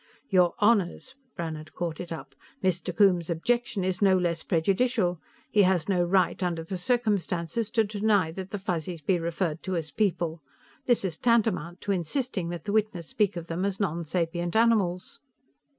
'" "Your Honors," Brannhard caught it up, "Mr. Coombes's objection is no less prejudicial. He has no right, under the circumstances, to deny that the Fuzzies be referred to as 'people.' This is tantamount to insisting that the witness speak of them as nonsapient animals."